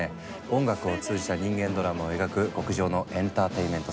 音楽を通じた人間ドラマを描く極上のエンターテインメント作品です。